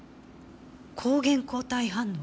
抗原抗体反応？